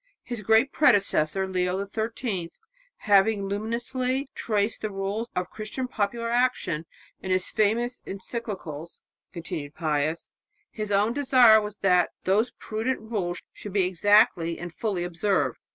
His great predecessor Leo XIII, having luminously traced the rules of Christian popular action in his famous encyclicals (continued Pius), his own desire was that those prudent rules should be exactly and fully observed.